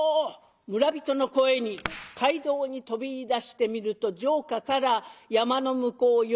村人の声に街道に飛びいだしてみると城下から山の向こう